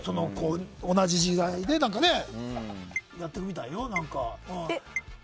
同じ時代で、何かねやってくみたいよ。